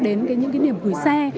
đến những cái niềm gửi xe